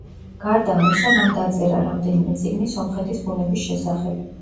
გარდა ამისა, მან დაწერა რამდენიმე წიგნი სომხეთის ბუნების შესახებ.